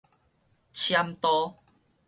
攕刀